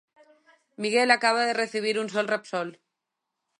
Miguel acaba de recibir un sol Repsol.